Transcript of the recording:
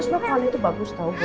semua pohon itu bagus tau buat